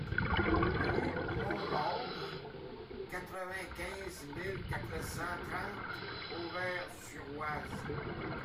Rue Montmaur, quatre-vingt-quinze mille quatre cent trente Auvers-sur-Oise